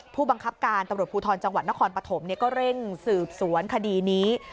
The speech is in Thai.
ผู้บังคับการตำรวจภูทรจังหวัดนครปฐมก็เร่งสืบสวนคดีนี้